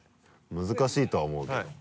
難しいとは思うけども。